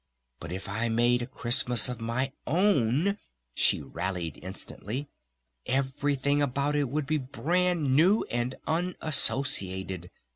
But if I made a Christmas of my own " she rallied instantly. "Everything about it would be brand new and unassociated!